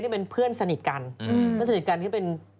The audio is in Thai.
เป็นเพื่อนสนิดกัน